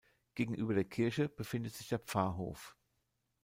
Gegenüber der Kirche befindet sich der Pfarrhof.